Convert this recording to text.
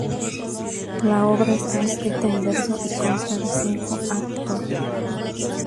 La obra está escrita en verso y consta de cinco actos.